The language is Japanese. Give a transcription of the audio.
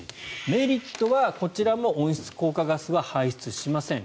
メリットはこちらも温室効果ガスは排出しません